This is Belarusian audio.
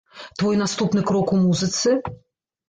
Твой наступны крок у музыцы?